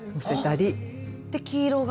で黄色が。